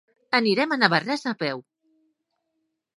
Anirem a Navarrés a peu.